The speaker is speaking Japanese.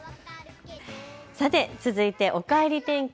さて続いておかえり天気。